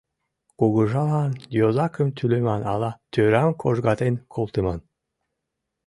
Кугыжалан йозакым тӱлыман але тӧрам кожгатен колтыман?